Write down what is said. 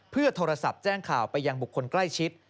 เพื่อโทรศัพท์แจ้งข่าวไปยังบุคคลใกล้ชิด